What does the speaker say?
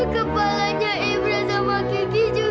kepalanya ibrah sama kiki juga dipukul